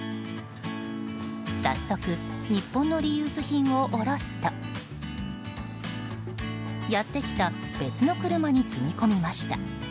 早速、日本のリユース品を卸すとやってきた別の車に積み込みました。